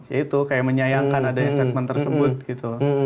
ya itu kayak menyayangkan adanya segmen tersebut gitu